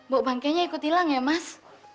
bau bankenya ikut hilang ya mas